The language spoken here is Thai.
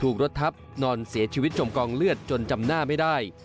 รถทับนอนเสียชีวิตจมกองเลือดจนจำหน้าไม่ได้